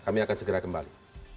kami akan segera kembali